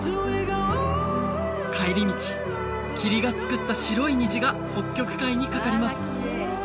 帰り道霧が作った白い虹が北極海に架かります